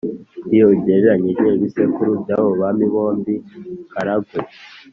iyo ugereranyije ibisekuru by'abo bami bombi b'i karagwe,